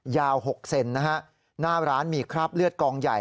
๖เซนนะฮะหน้าร้านมีคราบเลือดกองใหญ่